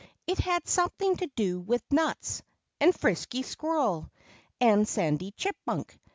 It had something to do with nuts, and Frisky Squirrel, and Sandy Chipmunk.